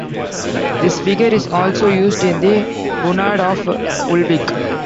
This figure is also used in the bunad of Ulvik.